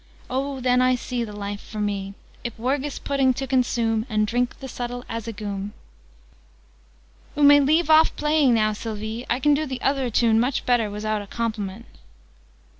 Oh, then I see The life for me Ipwergis Pudding to consume, And drink the subtle Azzigoom!" "Oo may leave off playing now, Sylvie. I can do the uvver tune much better wizout a compliment."